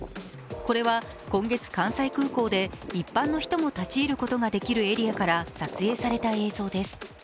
これは今月、関西空港で一般の人も立ち入ることができるエリアから撮影された映像です。